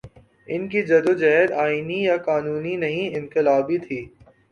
ان کی جد وجہد آئینی یا قانونی نہیں، انقلابی تھی۔